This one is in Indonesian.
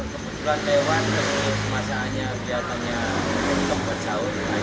kebetulan lewat semasa hanya biar tanya bentuk bersahur lebih praktis ya